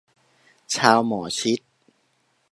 ชาวหมอชิต